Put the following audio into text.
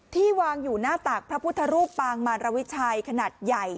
วางอยู่หน้าตากพระพุทธรูปปางมารวิชัยขนาดใหญ่